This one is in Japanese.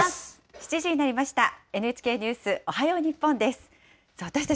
７時になりました。